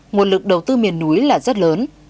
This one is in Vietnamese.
nguồn lực đầu tư miền núi là rất lớn